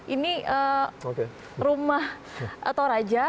ini rumah toraja